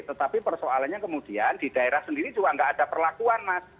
tetapi persoalannya kemudian di daerah sendiri juga nggak ada perlakuan mas